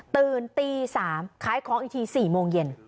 ตื่นตี๓ขายของอีกที๔โมงเย็น